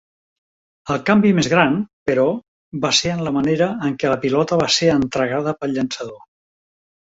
El canvi més gran, però, va ser en la manera en què la pilota va ser entregada pel llançador.